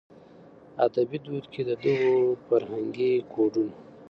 ادبي دود کې د دغو فرهنګي کوډونو